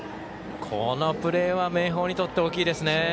このプレーは明豊にとって大きいですね。